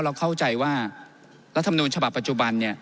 เราเข้าใจว่ารัฐมนูญฉบับปัจจุบันเนี่ย